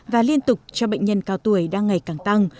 và liên tục cho bệnh nhân cao tuổi đang ngày càng tăng